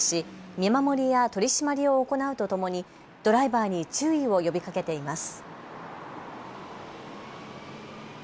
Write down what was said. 見守りや取締りを行うとともにドライバーに注意を呼びかけています。